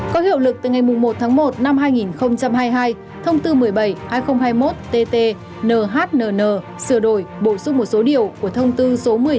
có hiệu lực từ ngày một một một hai nghìn hai mươi hai thông tư một mươi bảy hai nghìn hai mươi một tt nhnn sửa đổi bổ sung một số điệu